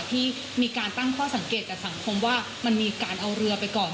ที่มีการตั้งข้อสังเกตกับสังคมว่ามันมีการเอาเรือไปก่อน